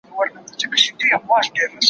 له قلا څخه دباندي یا په ښار کي